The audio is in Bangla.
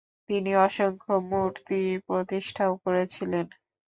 তিনি অসংখ্য মূর্তি প্রতিষ্ঠাও করেছিলেন।